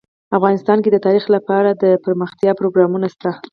افغانستان کې د تاریخ لپاره دپرمختیا پروګرامونه شته.